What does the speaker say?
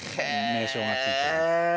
名称が付いてます。